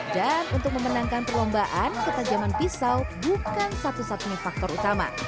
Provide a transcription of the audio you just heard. dan untuk memenangkan perlombaan ketajaman pisau bukan satu satunya faktor utama